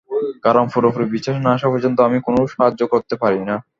কারণ পুরোপুরি বিশ্বাস না-আসা পর্যন্ত আমি কোনো সাহায্য করতে পারি না।